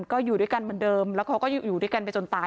ก็อยู่ด้วยกันเหมือนเดิมแล้วเขาก็อยู่ด้วยกันไปจนตาย